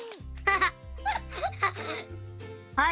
はい！